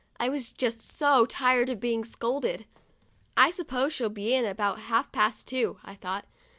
I was just so tired of being scolded. ' I suppose she'll be in about half past two," I thought.